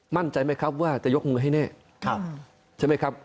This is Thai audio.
มั่นใจไหมครับว่าจะยกมือให้แน่ใช่ไหมครับ